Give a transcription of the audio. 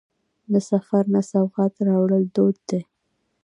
د سفر نه سوغات راوړل دود دی.